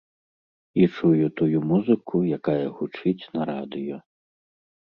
І чую тую музыку, якая гучыць на радыё.